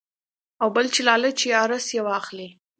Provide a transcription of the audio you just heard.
او بل چې لالچ يا حرص ئې واخلي -